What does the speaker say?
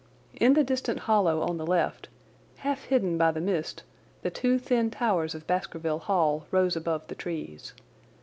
In the distant hollow on the left, half hidden by the mist, the two thin towers of Baskerville Hall rose above the trees.